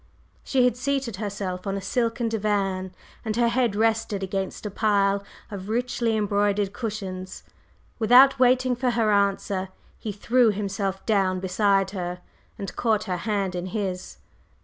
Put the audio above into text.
She had seated herself on a silken divan, and her head rested against a pile of richly embroidered cushions. Without waiting for her answer, he threw himself down beside her and caught her hand in his.